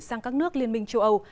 sang các nước liên minh châu âu